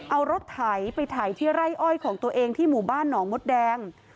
เอารถไถไปถ่ายที่ไร่อ้อยของตัวเองที่หมู่บ้านหนองมดแดง